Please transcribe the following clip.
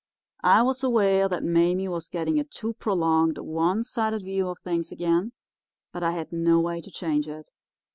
I was aware that Mame was getting a too prolonged one sided view of things again, but I had no way to change it.